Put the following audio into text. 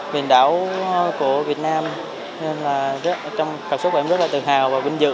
biển đảo của việt nam nên trong cảm xúc của em rất là tự hào và vinh dự